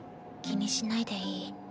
気にしないでいい。